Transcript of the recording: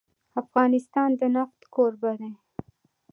افغانستان د نفت کوربه دی.